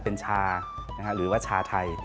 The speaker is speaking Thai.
เป็นชาหรือว่าชาไทย